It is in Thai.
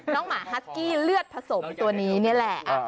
หมาฮัสกี้เลือดผสมตัวนี้นี่แหละ